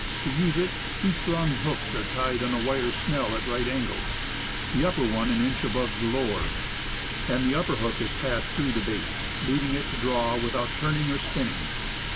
To use it, two strong hooks are tied on a wire snell at right angles, the upper one an inch above the lower, and the upper hook is passed through the bait, leaving it to draw without turning or spinning.